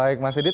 baik mas didit